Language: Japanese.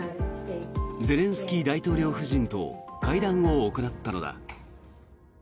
ゼレンスキー大統領夫人と会談を行ったのだ。